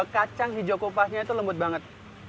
kacang hijau kupasnya itu lembut banget